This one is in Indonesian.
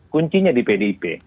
kuncinya di pdip